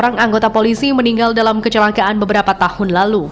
orang anggota polisi meninggal dalam kecelakaan beberapa tahun lalu